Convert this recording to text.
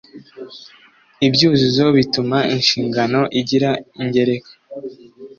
ibyuzuzo bituma inshinga igira ingereka